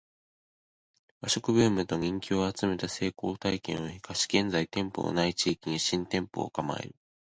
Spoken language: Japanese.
ⅰ 和食ブームと人気を集めた成功体験を活かし現在店舗の無い地域に新店舗を構える